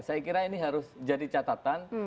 saya kira ini harus jadi catatan